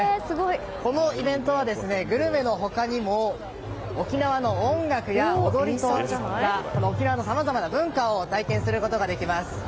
このイベントはグルメの他にも、沖縄の音楽や踊りといった沖縄のさまざまな文化を体験できます。